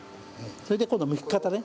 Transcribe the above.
それで今度はむき方ね。